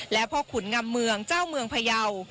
และพ่อขุนงำเมืองเจ้าเมืองพยาว